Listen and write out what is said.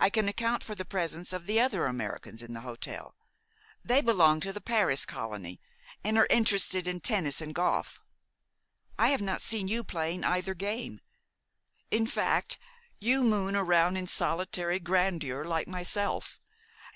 I can account for the presence of the other Americans in the hotel. They belong to the Paris colony, and are interested in tennis and golf. I have not seen you playing either game. In fact, you moon about in solitary grandeur, like myself.